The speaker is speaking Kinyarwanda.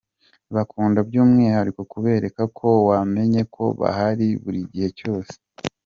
Bakunda by'umwihariko kubereka ko wamenye ko bahari buri gihe cyose.